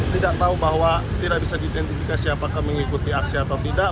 tidak tahu bahwa tidak bisa diidentifikasi apakah mengikuti aksi atau tidak